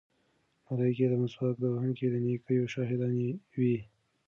ملایکې به د مسواک وهونکي د نیکیو شاهدانې وي.